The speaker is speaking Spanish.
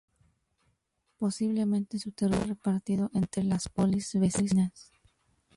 Posiblemente su territorio fue repartido entre las polis vecinas.